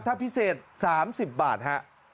ถ้าพิเศษ๓๐บาทฮะ